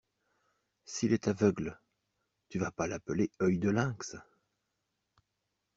S’il est aveugle, tu vas pas l’appeler Œil de Lynx?